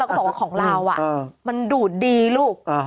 แล้วก็บอกว่าของเรามันดูดดีลูก